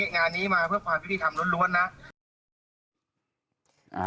งานนี้มาเพื่อความวิธีทำล้วนนะ